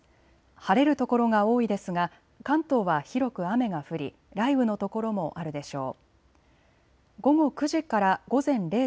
晴れる所が多いですが関東は広く雨が降り雷雨の所もあるでしょう。